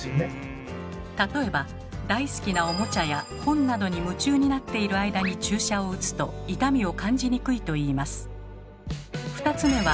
例えば大好きなおもちゃや本などに夢中になっている間に注射を打つと痛みを感じにくいといいます。